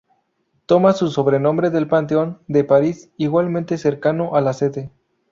Toma su sobrenombre del Panteón de París, igualmente cercano a la sede.